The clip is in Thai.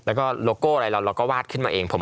แล้วก็โลโก้อะไรเราเราก็วาดขึ้นมาเอง